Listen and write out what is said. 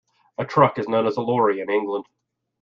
A truck is known as a lorry in England.